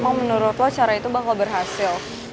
oh menurut lo cara itu bakal berhasil